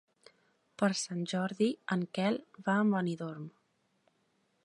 Per Sant Jordi en Quel va a Benidorm.